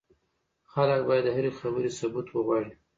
خلک بايد د هرې خبرې ثبوت وغواړي.